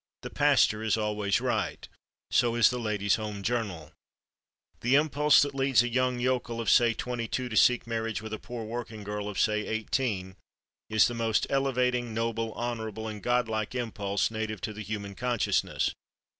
The pastor is always right. So is the Ladies' Home Journal. The impulse that leads a young yokel of, say, twenty two to seek marriage with a poor working girl of, say, eighteen, is the most elevating, noble, honorable and godlike impulse native to the human consciousness....